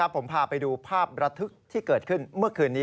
ผมพาไปดูภาพระทึกที่เกิดขึ้นเมื่อคืนนี้